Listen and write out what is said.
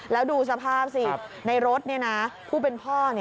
แล้วดูสภาพสิในรถผู้เป็นพ่อ